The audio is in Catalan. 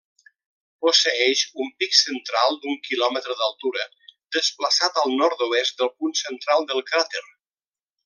Posseeix un pic central d'un quilòmetre d'altura, desplaçat al nord-oest del punt central del cràter.